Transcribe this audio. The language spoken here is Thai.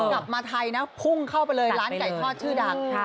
กลับมาไทยนะพุ่งเข้าไปเลยร้านไก่ทอดชื่อดัง